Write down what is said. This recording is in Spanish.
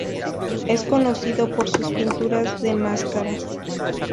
Es conocido por sus pinturas de máscaras.